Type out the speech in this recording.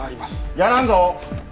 やらんぞ！